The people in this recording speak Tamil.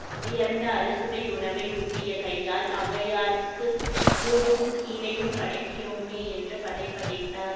உயர்ந்த அறுசுவை உணவை யூட்டிய கையால் ஒளவையார்க்குக் கூழும் கீரையும் படைக்கிறோமே என்று பதைபதைத்தார்.